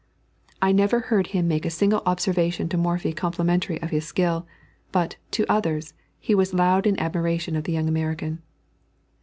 I never heard him make a single observation to Morphy complimentary of his skill; but, to others, he was loud in admiration of the young American.